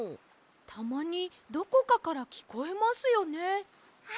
たまにどこかからきこえますよね。